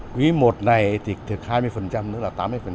quý i này thì thực hai mươi nữa là tám mươi